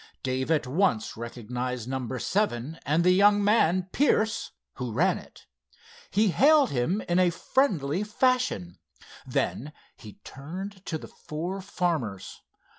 Dave at once recognized number seven, and the young man, Pierce, who ran it. He hailed him in a friendly fashion. Then he turned to the four farmers.